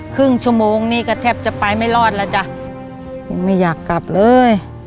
ครึ่งชั่วโมงนี่ก็แทบจะไปไม่รอดแล้วจ้ะไม่อยากกลับเลย